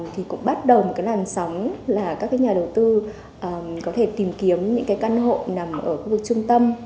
thì cũng bắt đầu một cái làn sóng là các cái nhà đầu tư có thể tìm kiếm những cái căn hộ nằm ở khu vực trung tâm